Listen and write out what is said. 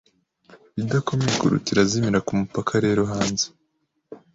idakomeye kuruta irazimira kumupaka rero hanze